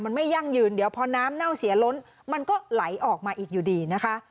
มันไม่ยั่งยืนเดี๋ยวพอน้ำเน่าเสียล้นมันก็ไหลออกมาอีกอยู่ดีนะคะ